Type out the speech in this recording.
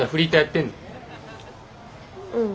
うん。